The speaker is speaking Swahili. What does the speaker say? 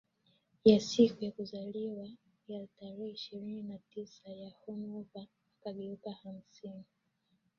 ya siku yake ya kuzaliwa ya tarehe ishirini na sita na Hoover akageuka hamsini